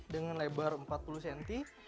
dengan lebar empat puluh cm